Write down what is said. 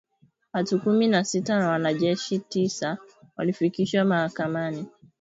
Watu kumi na sita na wanajeshi tisa walifikishwa mahakamani